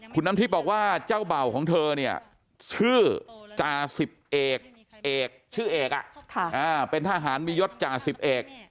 คุณน้ำทิพย์บอกว่าเจ้าเบ่าของเธอเนี่ยชื่อจ่าสิบเอกชื่อเอกเป็นทหารมียศจ่าสิบเอก